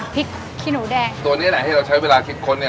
พริกขี้หนูแดงตัวนี้แหละให้เราใช้เวลาฮิกคนเนี้ย